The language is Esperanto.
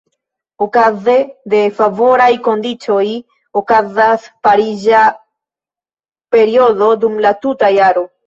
Okaze de favoraj kondiĉoj okazas pariĝa periodo dum la tuta jaro.